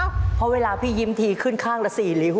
เพราะเวลาพี่ยิ้มทีขึ้นข้างละ๔ลิ้ว